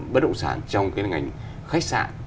bất động sản trong cái ngành khách sạn